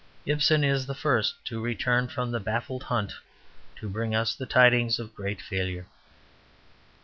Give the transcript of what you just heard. Ibsen is the first to return from the baffled hunt to bring us the tidings of great failure.